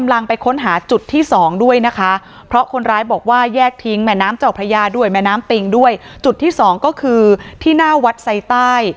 และทิ้งแม่น้ำเจ้าภรรยาด้วยแม่น้ำปิงด้วยจุดที่๒ก็คือที่หน้าวัดไซ่ใต้